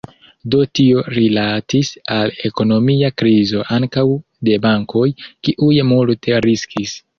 Do tio rilatis al ekonomia krizo ankaŭ de bankoj, kiuj multe riskis.